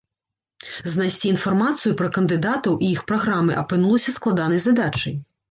Знайсці інфармацыю пра кандыдатаў і іх праграмы апынулася складанай задачай.